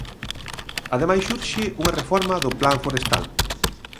Ademais urxe unha reforma do plan forestal.